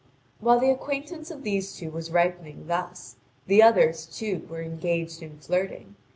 While the acquaintance of these two was ripening thus, the others, too, were engaged in flirting.